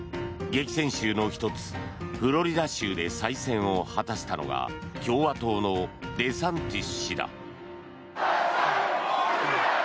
激戦州の１つフロリダ州で再選を果たしたのが共和党のデサンティス氏だ。